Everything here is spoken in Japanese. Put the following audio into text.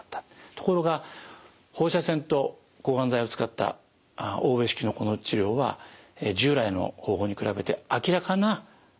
ところが放射線と抗がん剤を使った欧米式のこの治療は従来の方法に比べて明らかな改善が見られなかった。